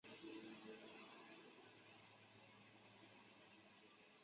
池端金毛猿金花虫为金花虫科金毛猿金花虫属下的一个种。